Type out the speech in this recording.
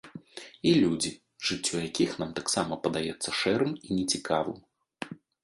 І людзі, жыццё якіх нам таксама падаецца шэрым і нецікавым.